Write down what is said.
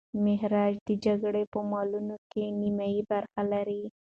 مهاراجا د جګړې په مالونو کي نیمه برخه لري.